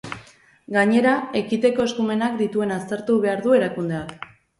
Gainera, ekiteko eskumenak dituen aztertu behar du erakundeak.